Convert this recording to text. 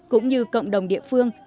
cũng như cộng đồng địa phương